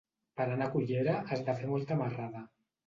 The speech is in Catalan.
Per anar a Cullera has de fer molta marrada.